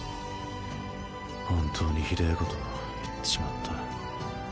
本当にひでぇこと言っちまった。